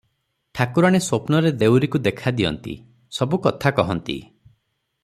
ଠାକୁରାଣୀ ସ୍ୱପ୍ନରେ ଦେଉରୀକୁ ଦେଖାଦିଅନ୍ତି, ସବୁ କଥାକହନ୍ତି ।